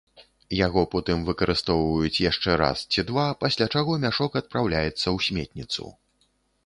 Яго потым выкарыстоўваюць яшчэ раз ці два, пасля чаго мяшок адпраўляецца ў сметніцу.